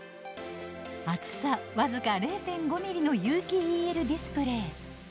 厚さ僅か０．５ｍｍの有機ＥＬディスプレー。